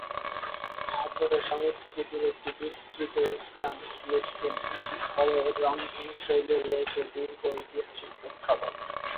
সভ্যতার সংস্কৃতির একটি বিস্তৃত স্থান ফিলিস্তিন ফলে এর রন্ধনশৈলীর রয়েছে দীর্ঘ ঐতিহাসিক প্রেক্ষাপট।